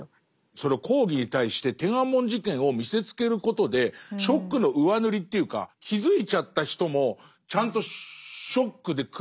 その抗議に対して天安門事件を見せつけることでショックの上塗りというか気付いちゃった人もちゃんとショックで屈服させられる。